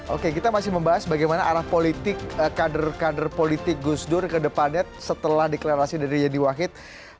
oke kita masih membahas bagaimana arah politik kader kader politik gusdur kedepannya setelah deklarasi dari yeni wadid